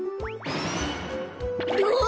うわ！